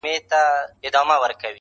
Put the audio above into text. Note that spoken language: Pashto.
خداى دي نه كړي د قام بېره په رگونو!.